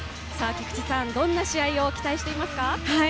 菊池さん、どんな試合を期待してますか？